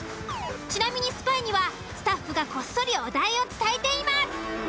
ちなみにスパイにはスタッフがこっそりお題を伝えています。